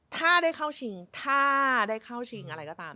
ถ้าได้เข้าชิงถ้าได้เข้าชิงอะไรก็ตาม